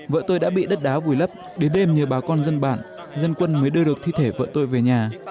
vợ tôi đã bị đất đá vùi lấp đến đêm nhờ bà con dân bản dân quân mới đưa được thi thể vợ tôi về nhà